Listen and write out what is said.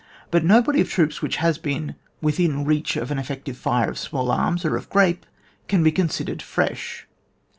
But no body of troops which has been within reach of an effective fire of small arms, or of grape, can be considered fresh.